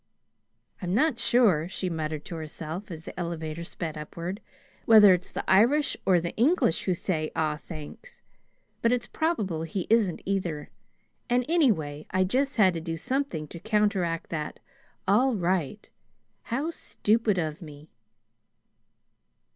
"I'm not sure," she muttered to herself as the elevator sped upward, "whether it's the Irish or the English who say: 'Aw, thanks,' but it's probable he isn't either; and anyway, I just had to do something to counteract that 'All right.' How stupid of me!"